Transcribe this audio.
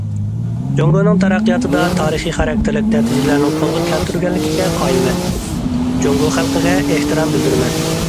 جۇڭگونىڭ تەرەققىياتىدا تارىخىي خاراكتېرلىك نەتىجىلەرنىڭ قولغا كەلتۈرۈلگەنلىكىگە قايىلمەن، جۇڭگو خەلقىگە ئېھتىرام بىلدۈرىمەن.